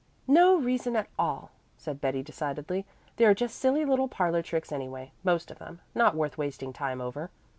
"No reason at all," said Betty decidedly. "They are just silly little parlor tricks anyway most of them not worth wasting time over.